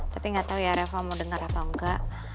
tapi enggak tahu ya reva mau dengar atau enggak